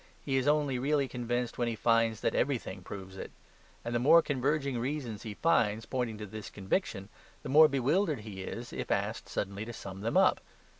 He is only really convinced when he finds that everything proves it. And the more converging reasons he finds pointing to this conviction, the more bewildered he is if asked suddenly to sum them up.